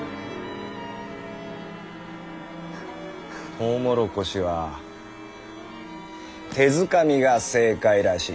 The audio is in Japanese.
トウモロコシは「手づかみ」が正解らしい。